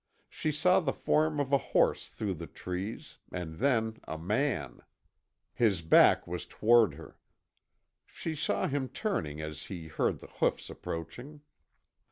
She saw the form of a horse through the trees, and then a man. His back was toward her. She saw him turning as he heard the hoofs approaching.